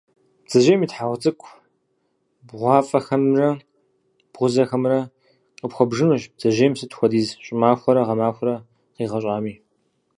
Бдзэжьейм и тхьэгъу цӏыкӏу бгъуафӏэхэмрэ, бгъузэхэмкӏэ къыпхуэбжынущ бдзэжьейм сыт хуэдиз щӏымахуэрэ гъэмахуэрэ къигъэщӏами.